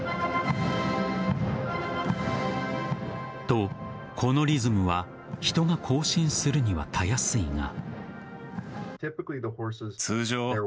と、このリズムは人が行進するにはたやすいが。